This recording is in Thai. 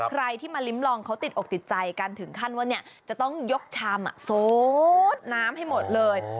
ใครที่มาลิ้มลองเขาติดอกติดใจกันถึงขั้นว่าจะต้องยกชามโซดน้ำให้หมดเลย